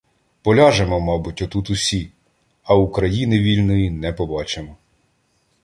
Поляжемо, мабуть, отут усі, а України вільної не побачимо.